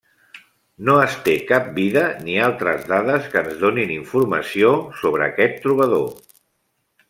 No es té cap vida ni altres dades que ens donin informació sobre aquest trobador.